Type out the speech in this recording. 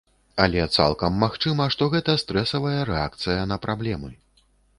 Але цалкам магчыма, што гэта стрэсавая рэакцыя на праблемы.